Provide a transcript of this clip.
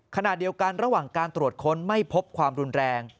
ขณะเดียวกันระหว่างการตรวจค้นไม่พบความรุนแรง